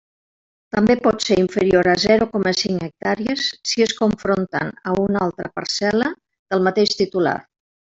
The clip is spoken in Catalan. També pot ser inferior a zero coma cinc hectàrees si és confrontant a una altra parcel·la del mateix titular.